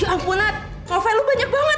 ya ampun hany novel lu banyak banget